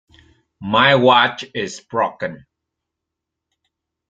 My watch is broken.